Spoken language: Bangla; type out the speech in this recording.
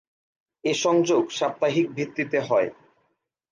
এ সংযোগ সাপ্তাহিক ভিত্তিতে হয়।